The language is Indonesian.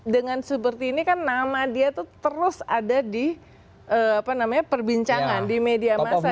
dengan seperti ini kan nama dia itu terus ada di perbincangan di media masa